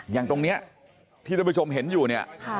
อย่างตรงนี้ที่ท่านผู้ชมเห็นอยู่เนี่ย